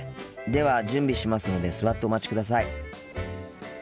では準備しますので座ってお待ちください。